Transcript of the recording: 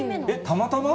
たまたま？